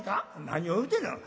「何を言うてんねん。